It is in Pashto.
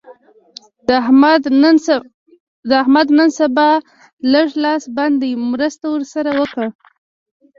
د احمد نن سبا لږ لاس بند دی؛ مرسته ور سره وکړه.